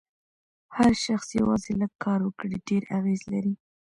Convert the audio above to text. هر شخص یوازې لږ کار وکړي ډېر اغېز لري.